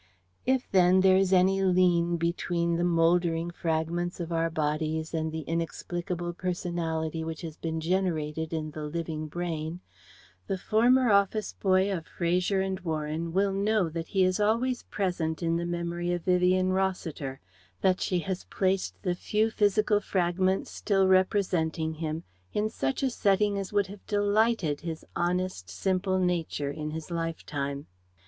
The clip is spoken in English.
If, then, there is any lien between the mouldering fragments of our bodies and the inexplicable personality which has been generated in the living brain, the former office boy of Fraser and Warren will know that he is always present in the memory of Vivien Rossiter, that she has placed the few physical fragments still representing him in such a setting as would have delighted his honest, simple nature in his lifetime.